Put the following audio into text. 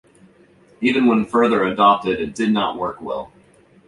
Even when further adapted it did not work well.